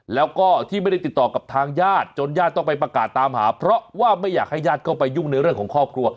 แล้วก็ที่ไม่ได้ติดต่อกับทางญาติจนญาติต้องไปประกาศตามหาเพราะว่าไม่อยากให้ญาติเข้าไปยุ่งในเรื่องของครอบครัว